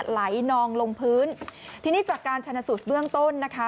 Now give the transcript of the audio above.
ไหลนองลงพื้นทีนี้จากการชนะสูตรเบื้องต้นนะคะ